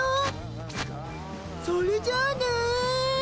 それじゃあね。